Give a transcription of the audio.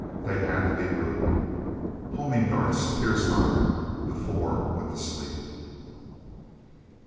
They had to be brutal. Homing darts pierced armor. The four went to sleep.